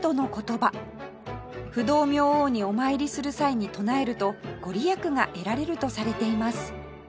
不動明王にお参りする際に唱えるとご利益が得られるとされています